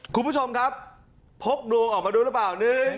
คุณผู้ชมครับพกดวงออกมาด้วยหรือเปล่า